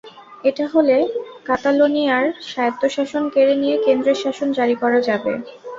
এটা হলে কাতালোনিয়ার স্বায়ত্তশাসন কেড়ে নিয়ে কেন্দ্রের শাসন জারি করা যাবে।